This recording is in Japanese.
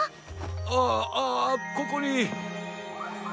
あああここに。